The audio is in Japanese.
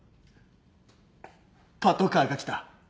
パトカーが来た。